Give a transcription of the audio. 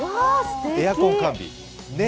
エアコン完備。